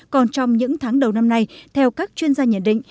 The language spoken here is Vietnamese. còn trong những tháng đầu năm nay theo các chuyên gia nhận định